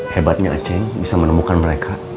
hebatnya aceh bisa menemukan mereka